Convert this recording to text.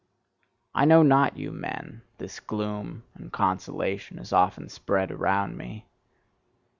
I know not you men: this gloom and consolation is often spread around me.